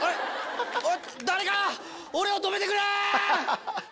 誰か俺を止めてくれ！